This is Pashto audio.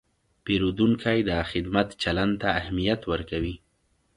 پیرودونکی د خدمت چلند ته اهمیت ورکوي.